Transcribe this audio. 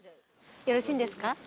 よろしいんですか？